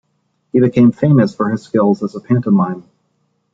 He became famous for his skills as a pantomime.